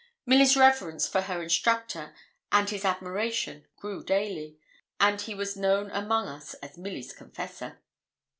Milly's reverence for her instructor, and his admiration, grew daily; and he was known among us as Milly's confessor.